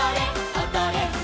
おどれ！」